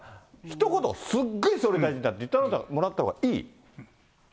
ひと言、すっごい総理大臣だって言ってもらったほうがいい。